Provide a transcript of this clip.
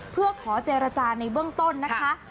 เพื่อขอเจรจาในเบื้องต้นนะคะ